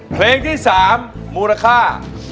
เพลงที่๓มูลค่า